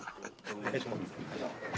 ・お願いします。